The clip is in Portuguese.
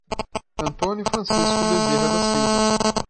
Antônio Francisco Bezerra da Silva